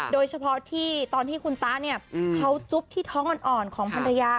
โดยเฉพาะที่ตอนที่คุณตาเนี่ยเขาจุ๊บที่ท้องอ่อนของภรรยา